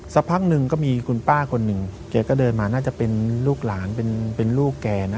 สักพักหนึ่งก็มีคุณป้าคนหนึ่งแกก็เดินมาน่าจะเป็นลูกหลานเป็นลูกแกนะ